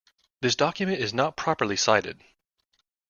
This document is not properly cited.